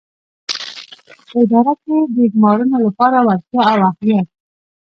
په اداره کې د ګومارنو لپاره وړتیا او اهلیت.